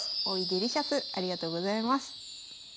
デリシャスありがとうございます。